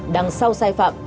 đằng sau sai phạm